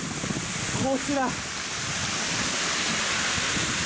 こちら。